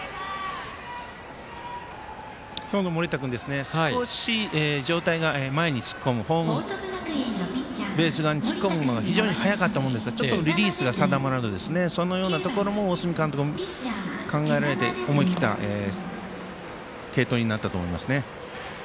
今日の盛田君、少し上体が前に突っ込むホームベース側に突っ込むのが非常に早かったもんですからリリースが定まらずそのようなところも大角監督、考えられて思い切った継投になったと思いますね。